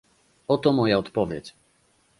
Oto moja odpowiedź